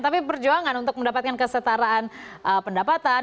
tapi perjuangan untuk mendapatkan kesetaraan pendapatan